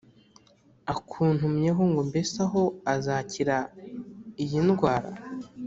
akuntumyeho ngo mbese aho azakira iyi ndwara